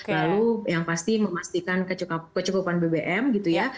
lalu yang pasti memastikan kecukupan bbm gitu ya